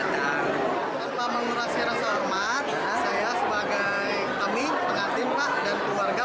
tanpa mengurasnya rasa hormat saya sebagai kami pengantin pak dan keluarga